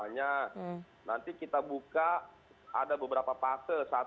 nanti kita buka ada beberapa fase satu dua tiga